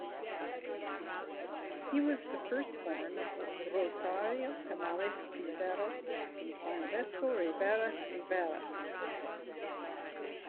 He was the firstborn of Rosario Canales Quintero and Francisca Rivera Rivera.